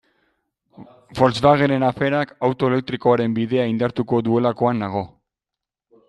Volkswagenen aferak auto elektrikoaren bidea indartuko duelakoan nago.